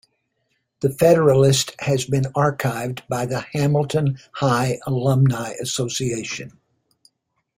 The Federalist has been archived by the Hamilton High Alumni Association.